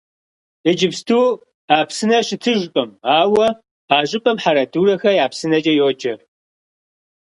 Иджыпсту а псынэр щытыжкъым, ауэ а щӀыпӀэм «Хьэрэдурэхэ я псынэкӀэ» йоджэ.